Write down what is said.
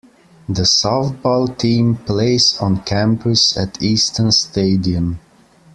The softball team plays on campus at Easton Stadium.